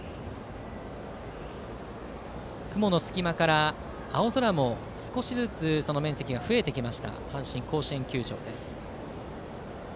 雲の隙間から、青空も少しずつその面積が増えてきました阪神甲子園球場です。